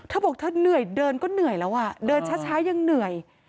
เธอเหนื่อยเดินก็เหนื่อยแล้วเดินช้ายังเหนื่อย